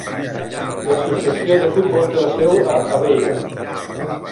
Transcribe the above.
L'associació de futbol té la seu a Aveiro.